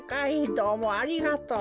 どうもありがとう。